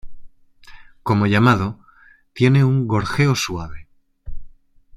Como llamado, tienen un gorjeo suave.